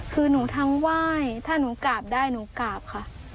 คือหนูทั้งไหว้ถ้าหนูกราบได้หนูกราบค่ะ